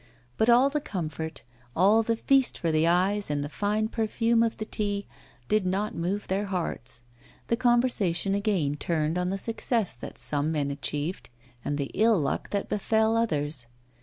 But all the comfort, all the feast for the eyes and the fine perfume of the tea did not move their hearts. The conversation again turned on the success that some men achieved and the ill luck that befell others.